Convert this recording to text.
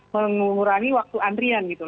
mengurangi waktu antrian gitu